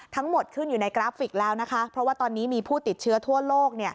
ทั้งหมดขึ้นอยู่ในกราฟิกแล้วนะคะเพราะว่าตอนนี้มีผู้ติดเชื้อทั่วโลก